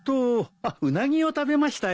あっウナギを食べましたよ。